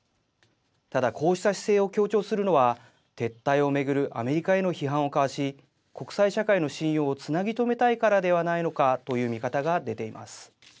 ただ、こうした姿勢を強調するのは撤退を巡るアメリカへの批判をかわし国際社会の信用をつなぎ止めたいからではないのかという見方が出ています。